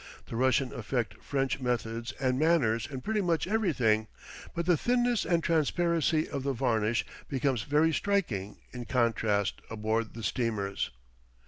The Russians affect French methods and manners in pretty much everything; but the thinness and transparency of the varnish becomes very striking in contrast aboard the steamers.